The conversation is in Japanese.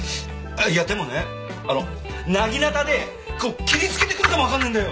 いやでもねなぎなたで切りつけてくるかもわかんねえんだよ！